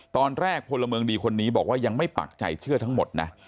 ตอนแรกพลเมืองดีคนนี้บอกว่ายังไม่ปักใจเชื่อทั้งหมดนะ